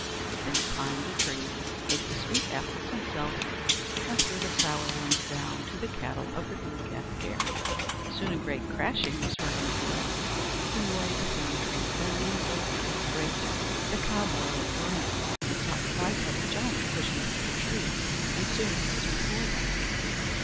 Then he climbed a tree, ate the sweet apples himself, and threw the sour ones down to the cattle of the Gruagach Gaire. Soon a great crashing was heard in the woods, the noise of young trees bending, and old trees breaking. The cowboy looked around, and saw a five headed giant pushing through the trees; and soon he was before him.